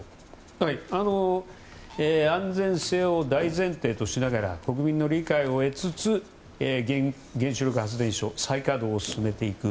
安全性を大前提としながら国民の理解を得つつ原子力発電所再稼働を進めていく。